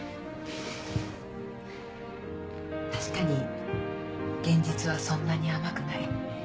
確かに現実はそんなに甘くない。